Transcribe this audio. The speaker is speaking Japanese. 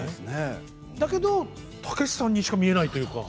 だけど、たけしさんにしか見えないというか。